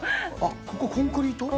ここ、コンクリート？